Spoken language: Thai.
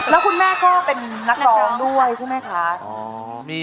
แล้วคุณแม่ก็เป็นนักร้องด้วยใช่ไหมคะ